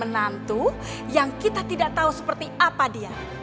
nantu yang kita tidak tau seperti apa dia